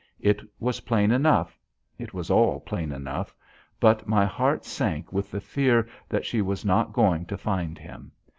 It was plain enough it was all plain enough but my heart sank with the fear that she was not going to find him.